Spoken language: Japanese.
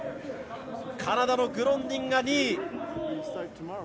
カナダのグロンディンが２位。